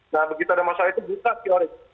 nah begitu ada masalah itu buka teori